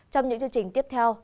trong những chương trình tiếp theo